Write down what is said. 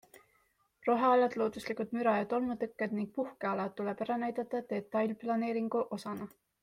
Rohealad, looduslikud müra- ja tolmutõkked ning puhkealad tuleb ära näidata detailplaneeringu osana.